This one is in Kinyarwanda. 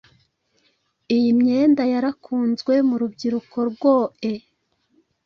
Iyimyenda yarakunzwe murubyiruko rwoe